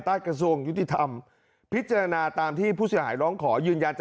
โทรศัพท์โทรศัพท์โทรศัพท์โทรศัพท์โทรศัพท์